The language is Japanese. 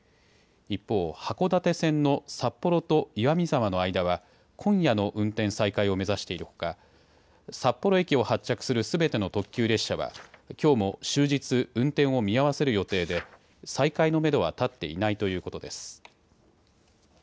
一方、函館線の札幌と岩見沢の間は今夜の運転再開を目指しているほか札幌駅を発着するすべての特急列車はきょうも終日運転を見合わせる予定で再開のめどは立っていないということです。